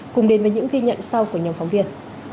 cùng đến với những ghi nhận sau của nhóm phóng viên